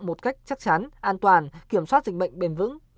một cách chắc chắn an toàn kiểm soát dịch bệnh bền vững